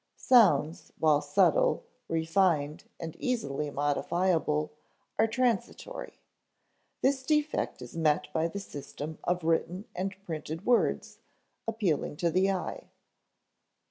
Sounds, while subtle, refined, and easily modifiable, are transitory. This defect is met by the system of written and printed words, appealing to the eye.